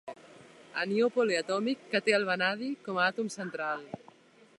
Anió poliatòmic que té el vanadi com a àtom central.